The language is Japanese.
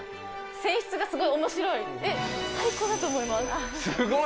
線質がすごいおもしろい。